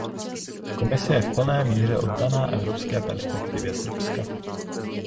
Komise je v plné míře oddaná evropské perspektivě Srbska.